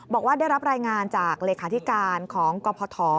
บอกว่าได้รับรายงานจากเลขาธิการของกพท